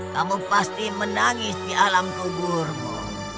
kamu pasti menangis di alam kuburmu